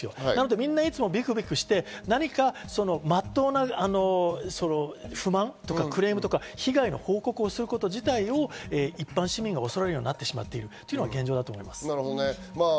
みんなビクビクしてまっとうな不満とかクレームとか被害の報告をすること自体を一般市民が恐れるようになってしまっているのが現状だと思います。